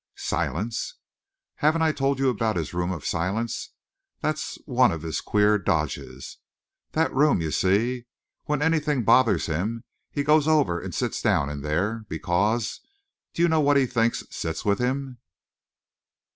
"Silence?" "Haven't I told you about his Room of Silence? That's one of his queer dodges. That room; you see? When anything bothers him he goes over and sits down in there, because do you know what he thinks sits with him?"